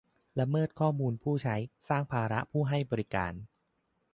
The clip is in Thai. ละเมิดข้อมูลผู้ใช้ สร้างภาระผู้ให้บริการ